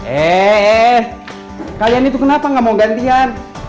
eh eh kak yanni tuh kenapa gak mau gantian